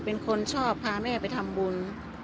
เป็นคนชอบพาแม่ไปทำบุญ